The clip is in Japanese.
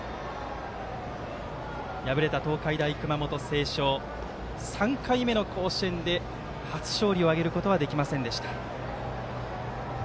敗れた東海大熊本星翔は３回目の甲子園で初勝利を挙げることはできませんでした。